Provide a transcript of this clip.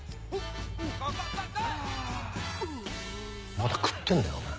まだ食ってんだよお前。